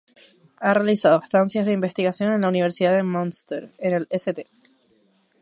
Ha realizado estancias de investigación en la Universidad de Münster, en el St.